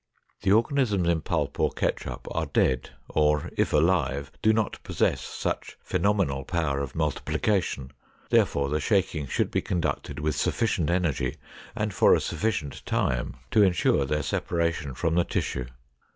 The organisms in pulp or ketchup are dead, or, if alive, do not possess such phenomenal power of multiplication, therefore, the shaking should be conducted with sufficient energy and for a sufficient time to insure their separation from the tissue.